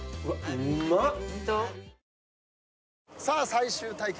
最終対決